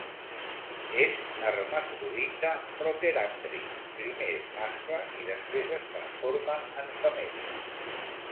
És hermafrodita proteràndric: primer és mascle i després es transforma en femella.